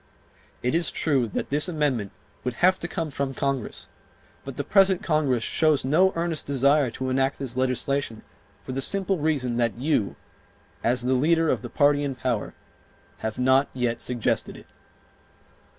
It is true that this amendment would have to come from Congress, but the present Congress shows no earnest desire to enact this legislation for the simple reason that you, as the leader of the party in power, have not yet suggested it.